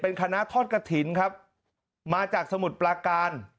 เป็นคณะทอดกระถินมาจากสมุดปลากราน